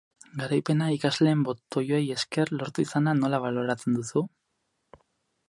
Garaipena ikasleen botoei esker lortu izana nola baloratzen duzu?